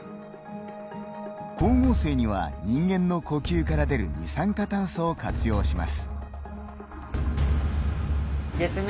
光合成には、人間の呼吸から出る二酸化炭素を活用します。